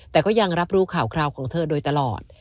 แต่ก็ยังรับรู้ข่าวคราวของเธอโดยตลอด